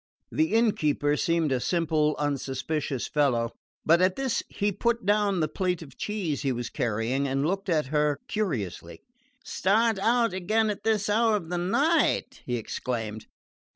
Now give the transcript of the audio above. The innkeeper seemed a simple unsuspicious fellow, but at this he put down the plate of cheese he was carrying and looked at her curiously. "Start out again at this hour of the night?" he exclaimed.